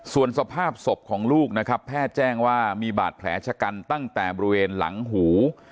ส่วนสภาพศพของลูกนะครับแพทย์แจ้งว่ามีบาดแผลชะกันตั้งแต่บริเวณหลังหู